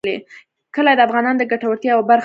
کلي د افغانانو د ګټورتیا یوه برخه ده.